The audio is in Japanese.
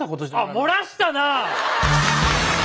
あ漏らしたな！